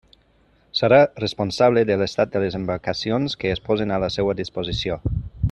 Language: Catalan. Serà responsable de l'estat les embarcacions que es posen a la seua disposició.